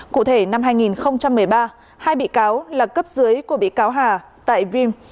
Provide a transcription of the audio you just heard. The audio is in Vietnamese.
cụ thể năm hai nghìn một mươi ba hai bị cáo là cấp dưới của bị cáo hà tại vim